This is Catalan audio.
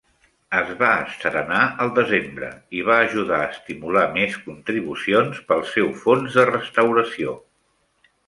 Es va estrenar al desembre i va ajudar a estimular més contribucions pel seu fons de restauració.